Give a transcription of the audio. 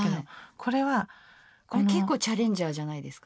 これ結構チャレンジャーじゃないですか？